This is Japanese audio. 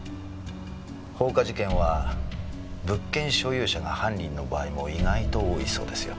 放火事件は物件所有者が犯人の場合も意外と多いそうですよ。